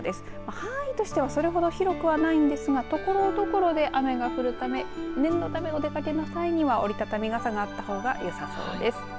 範囲としてはそれほど広くないんですがところどころで雨が降るため念のためお出かけの際にはお折り畳み傘があったほうがよさそうです。